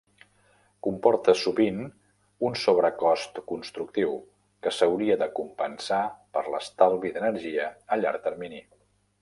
Comporta sovint un sobrecost constructiu, que s'hauria de compensar per l'estalvi d'energia a llarg termini.